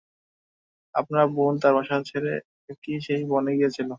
আপনার বোন তার বাসা ছেড়ে একাকি সেই বনে গিয়েছিল।